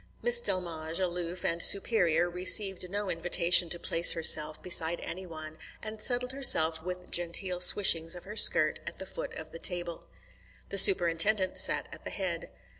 Miss Delmege, aloof and superior, received no invitation to place herself beside any one, and settled herself with genteel swishings of her skirt at the foot of the table. The Superintendent sat at the head.